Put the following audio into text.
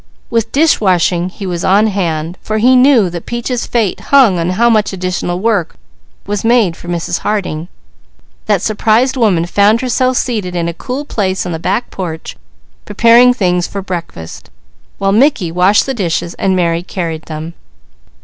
With dishwashing he was on hand, for he knew that Peaches' fate hung on how much additional work was made for Mrs. Harding. That surprised woman found herself seated in a cool place on the back porch preparing things for breakfast, while Mickey washed the dishes, and Mary carried them.